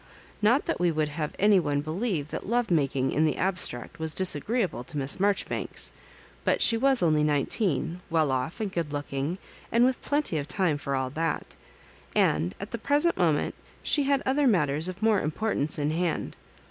Not that we would have any one believe that love making hi the abstract was disagreeable to Miss Marjoribanks; but she was only nineteen, well off and good looking, and with plenty of time Ibr all that ; and at the present moment she had other matters of more importance in hand.